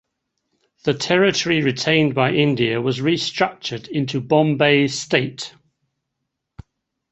The territory retained by India was restructured into Bombay State.